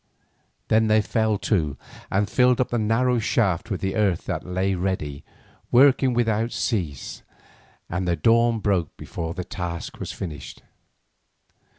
Then they fell to and filled up the narrow shaft with the earth that lay ready, working without cease, and the dawn broke before the task was finished.